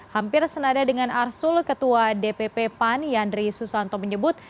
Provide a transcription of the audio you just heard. hampir senada dengan arsul ketua dpp pan yandri susanto menyebut